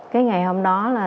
cái ngày hôm đó là